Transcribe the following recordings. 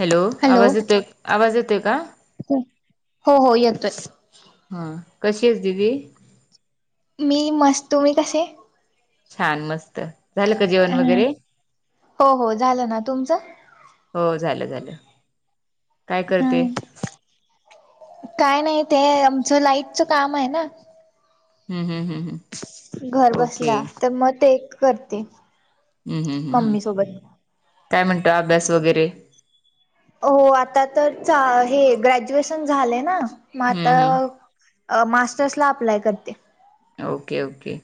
Hello आवाज येत आवाज येतोय का. हो हो हो येतोय. हा कशी आहेस दीदी. मी मस्त तुम्ही कसे. छान मस्त. का जेवण वगैरे हो हो झालं ना तुमचं. हो झालं झालं काय हा करते. काय नाही ते आमचं लाईटचं काम आहे ना. हं, हं, हं. घर बसल्या तर मग ते एक करते. हम्म, हम्म, हम्म मम्मी सोबत काय म्हणता अभ्यास वगैरे. हो आता तर चा हे ग्रॅज्युएशन झालय ना. मग हम्म हम्म आता मास्टर्सला अप्लाय करते. Okay, okay.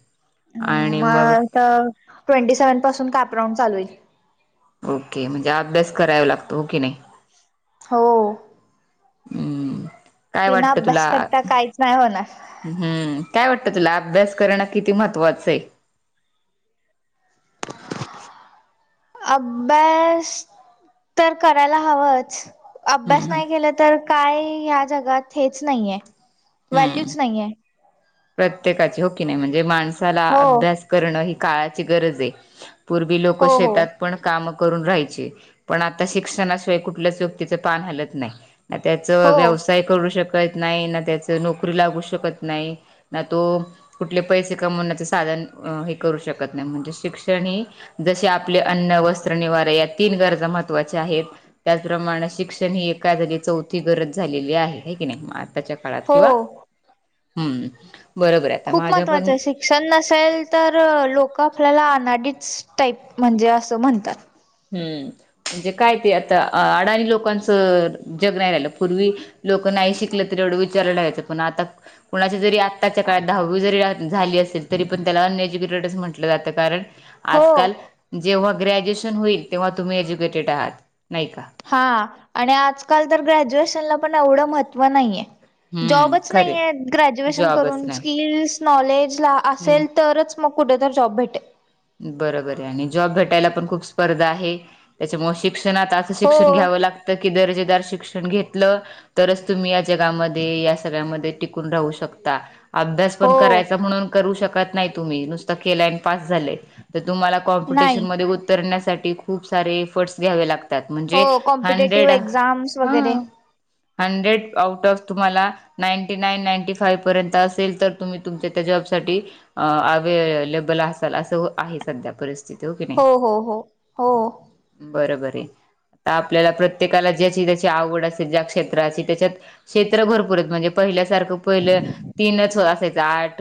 हं, मग तर ट्वेंटी सेव्हन पासून कापराऊंड चालू आहे. ओके. म्हणजे अभ्यास करावा लागतो हो की नाई. हो हम्म. काय बिना वाटतं तुला अभ्यास करता काहीच नाही होणार. हम्म, काय वाटतं तुला अभ्यास करणं किती महत्त्वाचं आहे. अभ्यास तर करायला हवाच. अभ्यास हम्म नाही केला तर तर काय ह्या जगात हेच नाहीये, हम्म व्हॅल्यूच नाहीये. प्रत्येकाची हो की नाही, म्हणजे माणसाला हो अभ्यास करणं ही काळाची गरज आहे. पूर्वी लोक हो हो शेतात पण काम करून राहायची. पण आता शिक्षणाशिवाय कुठल्याच व्यक्तीच पान हलत नाही. ना त्याचं हो व्यवसाय करू शकत नाही, ना त्याचं नोकरी लागू शकत नाही. ना तो कुठले पैसे कमवण्याचे साधन हे करू शकत नाही. म्हणजे शिक्षण ही जसे आपले अन्न वस्त्र निवारा या तीन गरजा महत्त्वाच्या आहेत. त्याचप्रमाणे शिक्षण ही एका जागी चौथी गरज झालेली आहे, की नाही आताच्या काळात हो. किंवा हम्म. बरोबर आहे आता खूप माझ्या पण महत्वाचय शिक शिक्षण नसेल तर लोक, आपल्याला अडानी टाईप म्हणजे असं म्हणतात. हम्म म्हणजे काय ते आता अडाणी लोकांचं जग नाही राहिलं. पूर्वी लोक नाही शिकलं तरी एवढं विचारल ठेवायचं, पण आता कुणाच्या जरी आत्ताच्या काळात दहावी जरी झाली असेल, तरी पण त्याला अनएज्युकेटेडचं म्हटलं जातं कारण हो. आजकाल जेव्हा ग्रॅज्युएशन होईल, तेव्हा तुम्ही एज्युकेटेड आहात नाही का. हा आणि आजकाल तर ग्रॅज्युएशनला पण एवढं महत्त्व नाही आहे. हम्म जॉबच खरे नाहीय ग्रॅज्युएशन जॉबच करून नाही स्किल्स, नॉलेज हम्म असेल तरच मग कुठ तर जॉब भेटेल. बरोबर आहे आणि जॉब भेटायला पण खूप स्पर्धा आहे. त्याच्यामुळे शिक्षणात हो शिक्षण घ्यावं लागतं, की दर्जेदार शिक्षण घेतलं तरच तुम्ही या जगामध्ये या सगळ्यामध्ये टिकून राहू शकता. अभ्यास पण हो करायचा म्हणून करू शकत नाही तुम्ही. नुसत केलं आणि पास झाले तर तुम्हाला नाही. कॉम्पिटिशनमध्ये उतरण्यासाठी खूप सारे एफर्ट्स घ्यावे लागतात. म्हणजे हो हंड्रेड, कॉम्पिटेटिव्ह एक्झाम्स वगैरे हंड्रेड आऊट ऑप तुम्हाला नाईंटी नाईन, नांटी फाईव्ह पर्यंत असेल तर तुम्ही तुमच्या त्या जॉबसाठी अ अवेलेबल असाल असं आहे सध्या परिस्थिती, होकी नाही हो हो हो हो बरोबर आहे. आपल्याला प्रत्येकाला ज्याची त्याची आवड असेल ज्या क्षेत्राची त्याच्यात क्षेत्र भरपूर आहेत म्हणजे पहिल्यासारख पहिलं तीनच असायच. आर्ट,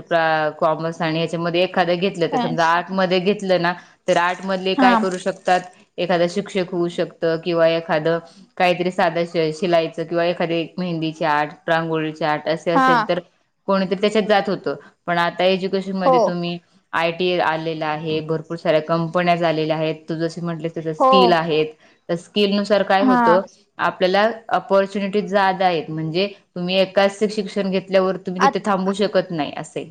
कॉमर्स आणि याच्यामध्ये एखाद घेतल समजा सायन्स आर्ट्स मध्ये घेतलं ना, तर आर्ट् मधले हा काय करू शकतात एखादं शिक्षक होऊ शकतं, किंवा एखादं काहीतरी साध शिलाईच किंवा एखादी मेहंदीचे आर्ट रांगोळीचे आर्ट असे हा असेल तर कोणीतरी त्याच्यात जात होत पण आता एज्युकेशन हो मध्ये तुम्ही आय टी आलेला आहे भरपूर साऱ्या कंपन्या झालेल्या आहेत तू जसे म्हटले तस हो स्किल आहेत त स्किल नुसार काय हा होत. आपल्याला अपॉर्च्युनिटी जात आहेत म्हणजे तुम्ही एकाच शिक्षण घेत घेतल्यावर तुम्ही आ तिथे थांबू शकत नाही असे.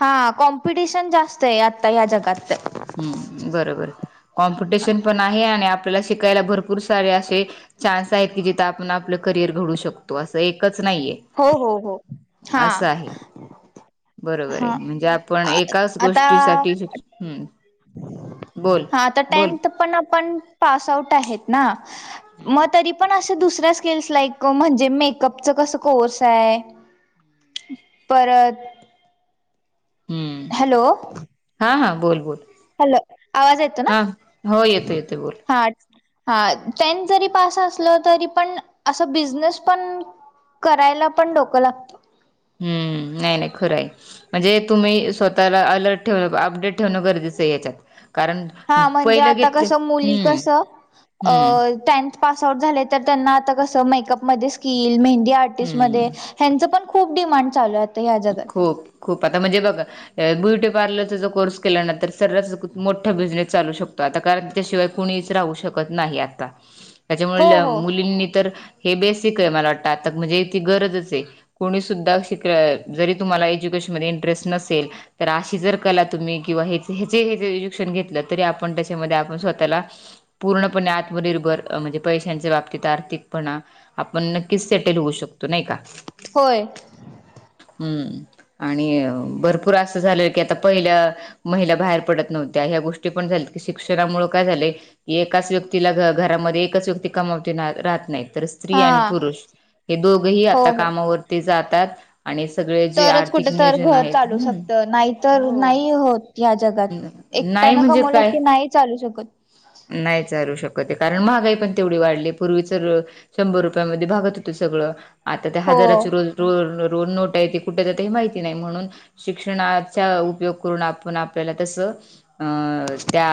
हा कॉम्पिडिशन जास्तये आत्ता या जगात हम्म बरोबर कॉम्पिटिशन पण आहे आणि आपल्याला शिकायला भरपूर सारे असे चान्स आहेत की जिथ आपण आपल करियर घडू शकतो अस एकच नाहीये. हो हो हो हा. हा बरोबरये म्हणजे आपण आ एकाच आता गोष्टीसाठी हम्म. बोल हा त बोल टेन्थ पण आपण पास आऊट आहेत ना म ते ती. पण अशे दुसऱ्या स्किल्स लाईक म्हणजे मेकअपच कस कोर्स आहे. परत. हम्म हॅलो. हा हा बोल बोल. हॅलो आवाज येतो ना हा हो येतो येतो बोल हा. हा टेन्थ जरी पास असल तरी पण अस बिझनेस पण करायला पण डोक लागत. हम्म नाही नाही खरय. म्हणजे तुम्ही स्वतःला अलर्ट ठेवण अपडेट ठेवण गरजेच आहे याच्यात कारण. हा म्हणजे पहिलं आता घेतले कस मुली हम्म कस हम्म टेन्थ पास आउट झाल्या तर त्यांना आता कस मेकअपमध्ये स्किल मेहंदी आर्टिस्टमध्ये हम्म ह्यांच पण खूप दिमांड चालूये. खूप खूप आता म्हणजे बघा. अ ब्युटी पार्लरचा कोर्स केला ना तर सरस मोठा बिझनेस चालू शकतो आता कारण त्याशिवाय कुणीच राहू शकत नाही आता. ह ह्याच्यामुळे मुलींनी तर हे बेसिकये मला वाटत आता म्हणजे इथे गरजच आहे कोणी सुद्धा शिक जरी तुम्हाला एज्युकेशनमध्ये इंटरेस्ट नसेल तर अशी जर कला तुम्ही किंवा हे जे शिक्षण घेतल तरी आपण त्याच्यामध्ये आपण स्वतःला पूर्णपणे आत्मनिर्भर म्हणजे पैशांच्या बाबतीत आर्थिकपणा आपण नक्कीच सेटल होऊ शकतो नाही का. होय. हम्म आणि भरपूर अस झाल की आता पहिल्या महिला बाहेर पडत नव्हत्या ह्या गोष्टी पण झाल्या की शिक्षणामुळे काय झाले की एकाच व्यक्तीला घ घरामध्ये एकाच व्यक्ती कमावते राहत नाही तर स्त्री हा आणि पुरुष हे दोघही हो आता हो कामावरती जातात. आणि सगळे जे तरच कुठ आर्थिक तर नियोजन घर आहेत चालू हम्म शकत नाही तर हो नाही होत. ह्या जगात नाही एकट्यान म्हणजे कामवल काय की नाही चालू शकत. नाही चालू शकतये कारण महागाई पण तेवढी वाढली पूर्वी तर शंभर रुपयामध्ये भागत होत सगळ आता ते हो हजाराचे रोज दोन नोटा आहे कुठे जाते माहिती नाही म्हणून शिक्षणाचा उपयोग करून आपण आपल्याला तस अ त्या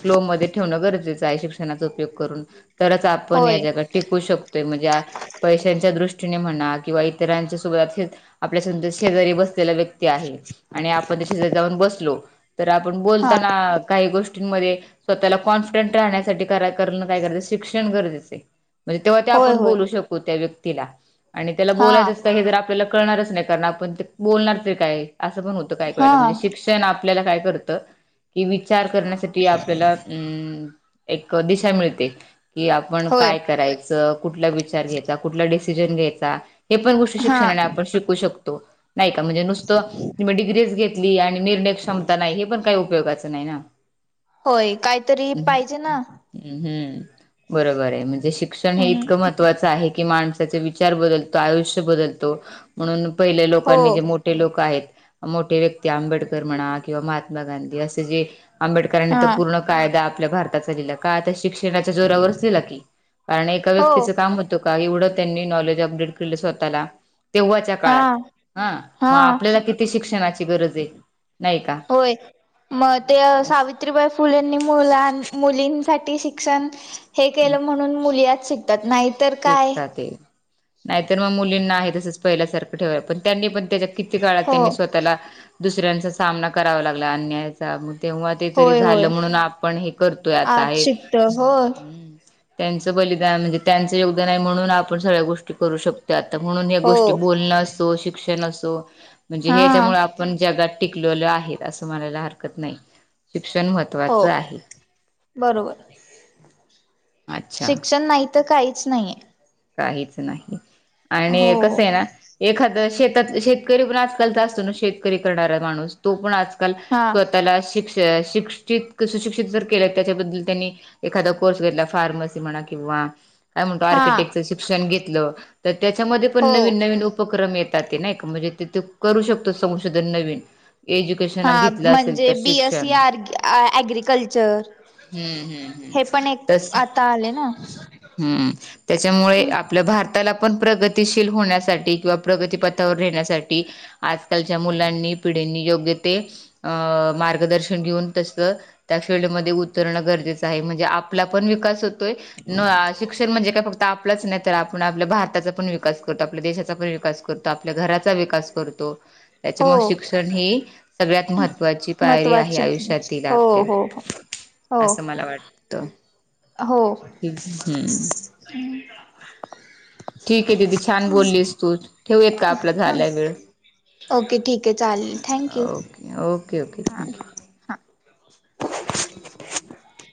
फ्लो मध्ये ठेवणं गरजेचं आहे शिक्षणाचा उपयोग करून. तरच आपण या होय जगात टिकू शकतोय म्हणजे पैशांच्या दृष्टीने म्हणा किंवा इतरांच्या सोबत आपल्या स शेजारी बसलेल्या व्यक्ती आहे आपण त्याच्या जाऊन बसलो तर आपण हा बोलताना, काही गोष्टींमध्ये स्वतःला कॉन्फिडंट राहण्या साठी करण काय गरजचं शिक्षण गरजेचे. म्हणजे तेव्हा त्या होय आपण होय बोलू शकू त्या व्यक्तीला आणि त्याला हा बोलायचं आपल्याला कळणारच नाही कारण आपण बोलणार तरी काय असं पण होत काय हा काय वेळी शिक्ष- क्षण आपल्याला काय करत की विचार करण्यासाठी आपल्याला अ एक दिशा मिळते आपण होय काय करायचं. च कुठला विचार घ्यायचा कुठला डिसिजन घ्यायचा. हा शिक्षणाने आपण शिकू शकतो नाही का म्हणजे नुस्त तुम्ही डिग्रीच घेतली आणी- निर्णय क्षमता नाही हे पण काही उपयोगाच नाही ना होय काहीतरी पाहिजे ना. हम्म बरोबर आहे म्हणजे शिक्षण हे हम्म इतकं मत- महत्त्वाच आहे की माणसाचे विचार बदलतो आयुष्य बदलतो. म्हणून पहिल्या हो लोकांनी जे मोठे लोक आहेत. मोठे व्यक्ती आंबेडकर म्हणा किंवा महात्मा गांधी असे जे आंबेडकरांनी हा तर पूर्ण. कायदा आपल्या भारताचा लिहीला काता शिक्षणाच्या जोरावरच दिला की कारण एका हो व्यक्तीचं काम होतं. का एवढं त्यांनी नॉलेज अपडेट केलं स्वतःला. तेव्हाच्या हा काळात हा मग आपल्याला किती शिक्षणाची गरज आहे. नाही का होय म ते सावि- अस सावीत्रीबाई फुलेंनी मुलां मुलींसाठी शिक्षण हे केलं म्हणून मुली आज शिक त्यात नाही. शिकतात. नाहीतर मग मुलींना आहे तसच पहिल्यासारखं ठेवाय पण त्यांनी पण त्याच्या किती काळात हो त्यांनी स्वतःला दुसऱ्यांचा सामना करावा लागला अन्याय तेव्हा ते तरी होय होय झालं म्हणून आपण हे करतोय आता आज हे शिकत होय हम्म. त्यांचं बलिदान म्हणजे त्यांचं योगदान आहे म्हणून आपण सगळ्या गोष्टी करू शकतो. आता म्हणून हे हो गोष्टी बोलणं असो शिक्षण असो म्हणजे हा ह्याच्यामुळे आपण जगात टिकलेलो आहे असं म्हणायला हरकत नाही शिक्षण हो महत्त्वाचं आहे बरोबर अच्छा शिक्षण नाही. इथं काहीच नाहीये. काहीच नाही आणि हो कसं आहे ना. एखाद शेतात शेतकरी पण आजकालचा असतो ना शेतकरी करणारा माणूस तो पण आजकाल हा स्वतःला शिक्ष शिक्षित सुशिक्षित जर केलं त्याच्याबद्दल त्यांनी एखादा कोर्स घेतला फार्मसी म्हणा किंवा काय म्हणतो हा आर्किटेक्टचर शिक्षण घेतलं तर त्याच्यामध्ये पण हो नवीन नवीन उपक्रम येत तर ते नाही का म्हणजे करू शकतो संशोधन नवीन हा एज्युकेशन घेतलं असेल म्हणजे तर बी एस शिक्षण सीर आग्रिकलचर हम्म हम्म हम्म तस आता आले ना हम्म त्याच्यामुळे आपल्या भारताला पण प्रगतीशील होण्यासाठी किंवा प्रगतीपथावर येेण्यासाठी आजकालच्या मुलांनी पिढींनी योग्य ते मार्गदर्शन घेऊन तसं त्या फिल्डमध्ये उतरणं गरजेचं आहे म्हणजे आपला पण विकास होतोय. न शिक्षण म्हणजे काय फक्त आपलंच नाही तर आपण आपल्या भारताचा पण विकास करतो आपल्या देशाचा पण विकास करतो. आपल्या घराचा विकास करतो. हो त्याच्यामुळे शिक्षण ही सगळ्यात महत्त्वाची पायरी आहे महत्वाची आयुष्यातील हो आपल्या हो हो असं मला वाटतं हो हम्म हम ठीक हे दिदी छान बोललीस तूच, ठेवूयात का आपला झालाय वेळ ओके ठीक आहे चालेल thank you okay, okay, okay हां थँक्यू. हां [unintelligible]